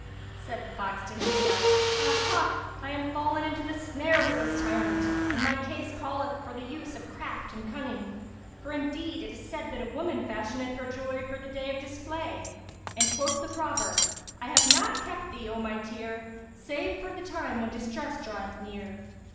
Said the fox to himself, "Ah! Ah! I am fallen into the snare with this tyrant, and my case calleth for the use of craft and cunning; for indeed it is said that a woman fashioneth her jewellery for the day of display, and quoth the proverb, 'I have not kept thee, O my tear, save for the time when distress draweth near.'